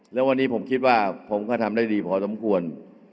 แล้ววันนี้ผมคิดว่าผมก็ทำได้ดีพอสมควร